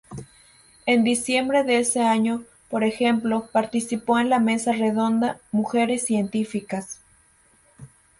En diciembre de ese año, por ejemplo, participó en la mesa redonda 'Mujeres científicas.